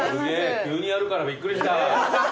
急にやるからびっくりした。